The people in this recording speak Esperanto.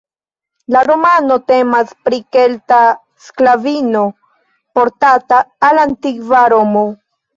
La romano temas pri kelta sklavino, portata al antikva Romo.